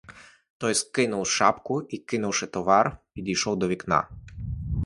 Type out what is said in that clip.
Той скинув шапку і, кинувши товар, підійшов до вікна.